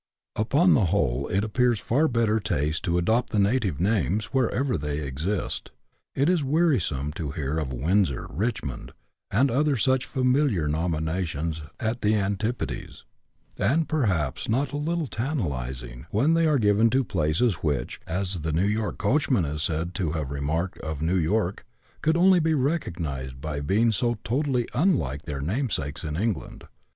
Upon the whole it appears far better taste to adopt the native names, wherever they exist. It is wearisome to hear of "Windsor, Richmond, and other such familiar nominations at the antipodes; and perhaps not a little tantalizing when they are given to places which, as the York coachman is said to have re marked of New York, could only be recognised by being so totally unlike their namesakes in England.